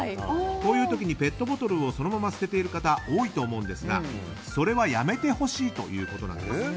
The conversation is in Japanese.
こういう時にペットボトルをそのまま捨てている方多いと思うんですが、それはやめてほしいということです。